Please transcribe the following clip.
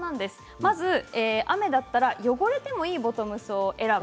まず雨だったら汚れてもいいボトムスを選ぶ。